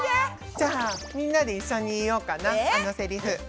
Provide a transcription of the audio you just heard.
じゃあみんなで一緒に言おうかなあのセリフ。